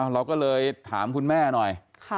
เราก็เลยถามคุณแม่หน่อย